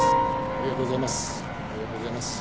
ありがとうございます。